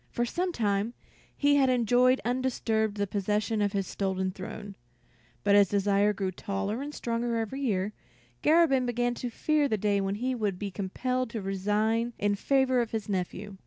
For some time he had enjoyed undisturbed the possession of his stolen throne; but as Desire grew taller and stronger every year, Garabin began to fear the day when he would be compelled to resign in favor of his nephew.